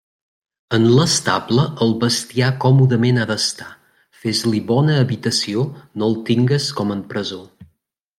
En l'estable el bestiar còmodament ha d'estar; fes-li bona habitació, no el tingues com en presó.